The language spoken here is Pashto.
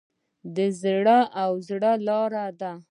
د زړه و زړه لار ده.